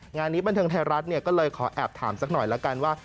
งานนี้บันเทิงไทยรัฐก็เลยขอแอบถามสักหน่อยละกันว่า